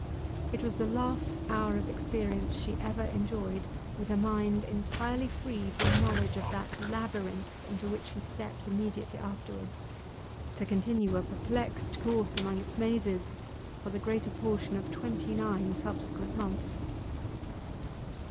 It was the last hour of experience she ever enjoyed with a mind entirely free from a knowledge of that labyrinth into which she stepped immediately afterwards to continue a perplexed course along its mazes for the greater portion of twenty nine subsequent months.